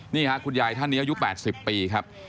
นี่ค่ะคุณยายท่านนี้อายุ๘๐ปีครับ